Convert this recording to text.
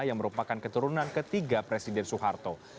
yang merupakan keturunan ketiga presiden soeharto